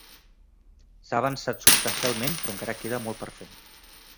S'han avançat substancialment, però encara queda molt per fer.